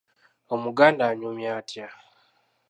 Omuganda anyumya atya?